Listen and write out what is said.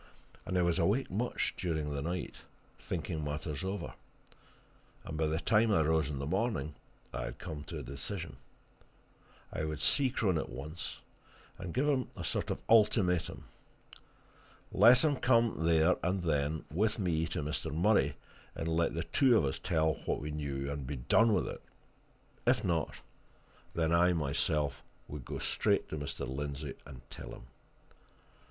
And I was awake much during the night, thinking matters over, and by the time I rose in the morning I had come to a decision. I would see Crone at once, and give him a sort of an ultimatum. Let him come, there and then, with me to Mr. Murray, and let the two of us tell what we knew and be done with it: if not, then I myself would go straight to Mr. Lindsey and tell him.